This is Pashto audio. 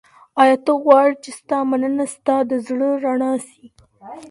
ایا ته غواړې چي ستا مننه ستا د زړه رڼا سي؟